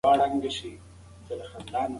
د شاعرانو ورځې په خپله خوښه لمانځل کېږي.